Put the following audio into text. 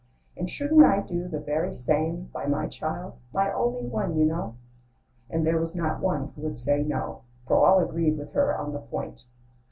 And shouldn't I do the very same By my child — my only one, you know?" And there was not one who would say, "No," — For all agreed with her on the point.